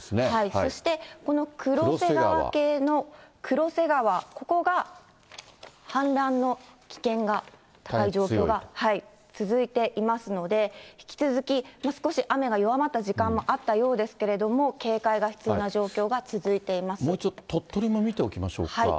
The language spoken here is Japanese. そして、この黒瀬川系の黒瀬川、ここが氾濫の危険が高い状況が続いていますので、引き続き、少し雨が弱まった時間もあったようですけれども、もうちょっと、鳥取も見ておきましょうか。